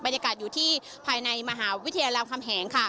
อยู่ที่ภายในมหาวิทยาลัยรามคำแหงค่ะ